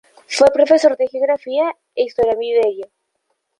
Fue profesor de Geografía e Historia en Viveiro.